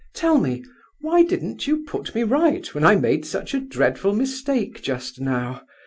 "Tell me, why didn't you put me right when I made such a dreadful mistake just now?"